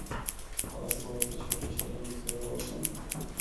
خاص طور تے چھوٹے شہراں بچ زیادہ ہوسن۔